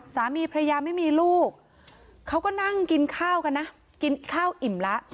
สามีพระยาไม่มีลูกเขาก็นั่งกินข้าวกันนะกินข้าวอิ่มแล้ว